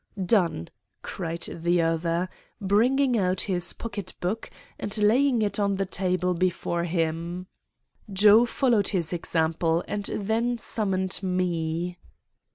"'Done!' cried the other, bringing out his pocket book and laying it on the table before him. "Joe followed his example and then summoned me.